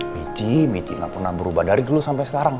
michi michi nggak pernah berubah dari dulu sampai sekarang